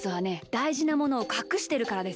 だいじなものをかくしてるからです。